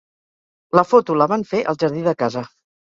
La foto la van fer al jardí de casa.